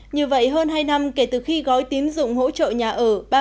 như vậy hơn hai năm kể từ khi gói tín dụng hỗ trợ nhà ở